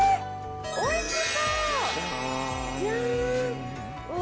おいしそう。